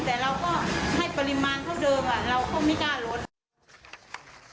แต่เราก็ให้ปริมาณเท่าเดิมเราก็ไม่กล้าลด